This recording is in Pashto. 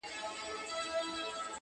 د عبدالباري جهاني منظومه ترجمه.!